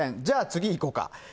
じゃあ、次行こうか。